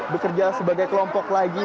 bekerja sebagai kelompok lagi